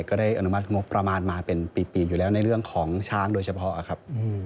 ก็ได้อนุมัติงบประมาณมาเป็นปีกอยู่แล้วในเรื่องของช้างโดยเฉพาะครับ